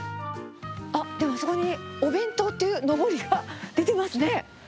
あっ、でもあそこにお弁当っていうのぼりが出てますね。